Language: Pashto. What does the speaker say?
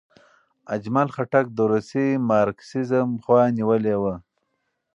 اجمل خټک د روسي مارکسیزم خوا نیولې وه.